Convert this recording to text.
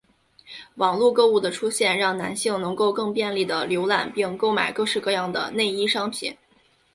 网路购物的出现让男性能够更便利地浏览并购买各式各样的内衣商品。